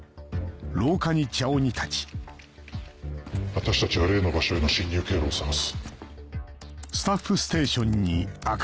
私たちは例の場所への侵入経路を探す。